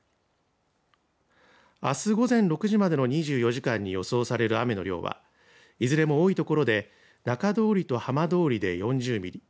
あす午前６時までの２４時間に予想される雨の量はいずれも多い所で中通りと浜通りで４０ミリ